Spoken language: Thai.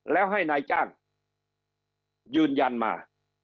แล้วให้นายจ้างยืนยันมา